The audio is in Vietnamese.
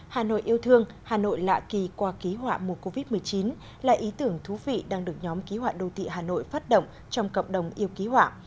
hà nội yêu thương hà nội lạ kỳ qua ký họa mùa covid một mươi chín là ý tưởng thú vị đang được nhóm ký họa đô thị hà nội phát động trong cộng đồng yêu ký họa